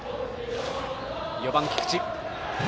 ４番、菊池。